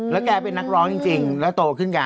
แล้วแกเป็นนักร้องจริงแล้วโตขึ้นแก